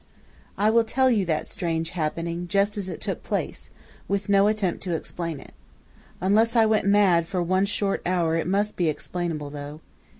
"I will tell you that strange happening just as it took place, with no attempt to explain it. Unless I went mad for one short hour it must be explainable, though.